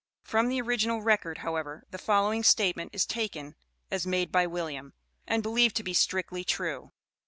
From the original record, however, the following statement is taken as made by William, and believed to be strictly true.